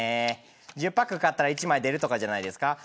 １０パック買ったら１枚出るとかじゃないですか。